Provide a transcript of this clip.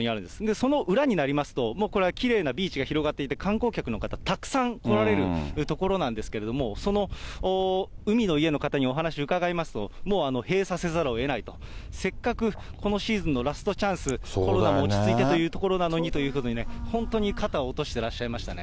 その裏になりますと、もうこれはきれいなビーチが広がっていて、観光客の方たくさん来られる所なんですけれども、その海の家の方にお話伺いますと、もう閉鎖せざるをえないと、せっかくこのシーズンのラストチャンス、コロナも落ち着いてというところなのにというふうに、本当に肩を落としてらっしゃいましたね。